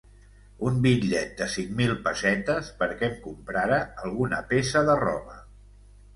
Un bitllet de cinc mil pessetes perquè em comprara alguna peça de roba.